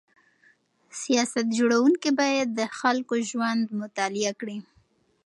سیاست جوړونکي باید د خلکو ژوند مطالعه کړي.